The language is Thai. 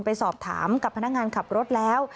ไปสอบถามกับพนักงานขับรถแล้ว